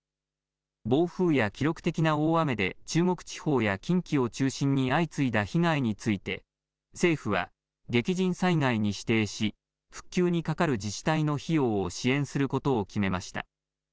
暴風や記録的な大雨で中国地方や近畿を中心に相次いだ被害について政府は激甚災害に指定し復旧にかかる自治体の費用を支援することを決めました。